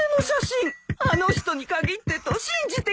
あの人に限ってと信じてきたわ！